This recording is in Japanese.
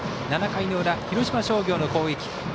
７回の裏、広島商業の攻撃。